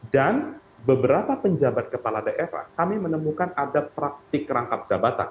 dan beberapa penjabat kepala daerah kami menemukan ada praktik rangkap jabatan